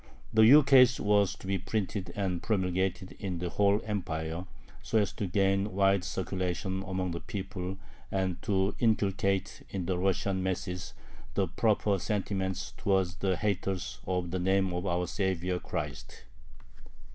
The ukase was to be printed and promulgated in the whole Empire, so as to gain wide circulation among the people and to inculcate in the Russian masses the proper sentiments towards "the haters of the name of our Savior Christ."